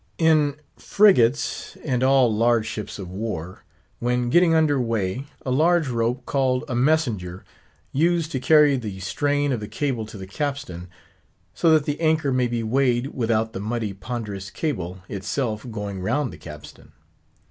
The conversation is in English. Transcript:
In frigates, and all large ships of war, when getting under weigh, a large rope, called a messenger used to carry the strain of the cable to the capstan; so that the anchor may be weighed, without the muddy, ponderous cable, itself going round the capstan.